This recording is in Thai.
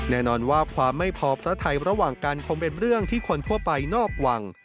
แน่นอนว่าความไม่พอพระไทยระหว่างกันคงเป็นเรื่องที่คนทั่วไปนอกหวัง